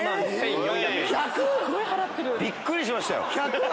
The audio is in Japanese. １００⁉びっくりしましたよ